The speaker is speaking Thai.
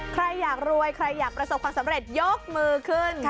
ใครอยากรวยใครอยากประสบความสำเร็จยกมือขึ้น